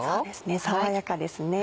爽やかですね。